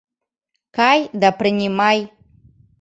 Кай да принимай!